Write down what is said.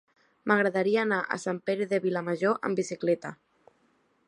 M'agradaria anar a Sant Pere de Vilamajor amb bicicleta.